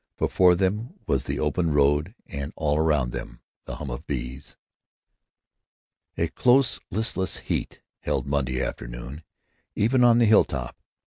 Before them was the open road and all around them the hum of bees. A close, listless heat held Monday afternoon, even on the hilltop.